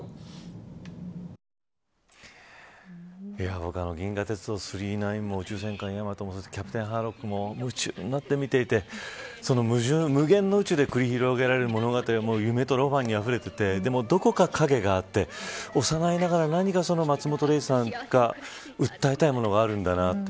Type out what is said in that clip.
僕、銀河鉄道９９９も宇宙戦艦ヤマトもキャプテンハーロックも夢中になって見ていてその無限の宇宙で繰り広げられる物語は夢とロマンに溢れていてでも、どこか影があって幼いながら松本零士さんが訴えたいものがあるんだなと。